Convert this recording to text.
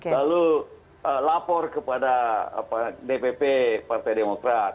lalu lapor kepada dpp partai demokrat